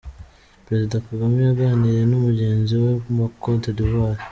Perezida Kagame yaganiriye na mugenzi we wa Cote d’Ivoire